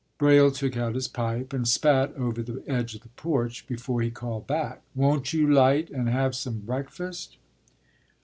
” Braile took out his pipe, and spat over the edge of the porch, before he called back, “Won't you light and have some breakfast?